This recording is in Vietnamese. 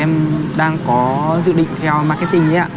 em đang có dự định theo marketing